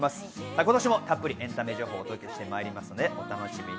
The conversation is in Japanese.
今年もたっぷりエンタメ情報をお届けします、お楽しみに。